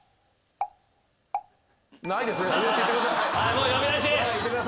もう呼び出し。